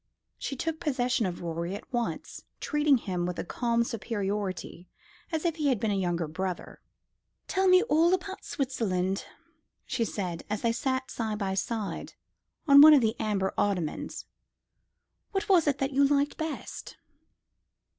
She took possession of Rorie at once, treating him with a calm superiority, as if he had been a younger brother. "Tell me all about Switzerland," she said, as they sat side by side on one of the amber ottomans. "What was it that you liked best?"